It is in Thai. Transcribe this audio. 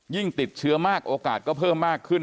ติดเชื้อมากโอกาสก็เพิ่มมากขึ้น